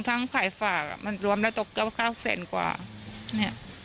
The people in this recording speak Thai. ทั้งภายฝากอ่ะมันรวมแล้วตกเกี่ยวกับเก้าแสนกว่าเนี่ย